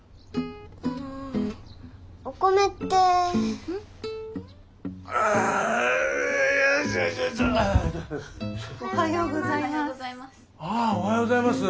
おはようございます。